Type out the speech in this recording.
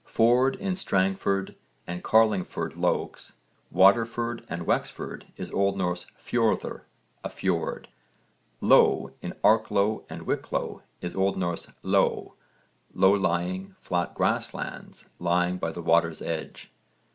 Ford in Strangford and Carlingford Loughs, Waterford and Wexford is O.N. fjorðr, a fjord, low in Arklow and Wicklow is O.N. ló, 'low lying, flat grassland, lying by the water's edge.'